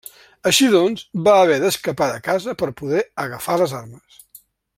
Així doncs, va haver d'escapar de casa per poder agafar les armes.